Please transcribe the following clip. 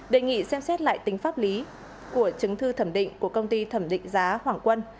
đề nghị xem xét lại tính pháp lý của chứng thư thẩm định của công ty thẩm định giá hoàng quân